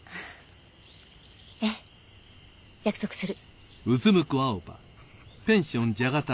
えぇ約束する。